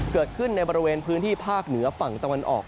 เกิดขึ้นในบริเวณพื้นที่ภาคเหนือฝั่งตะวันออก